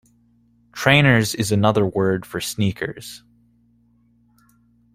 Trainers is another word for sneakers